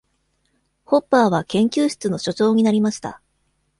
ホッパーは研究室の所長になりました。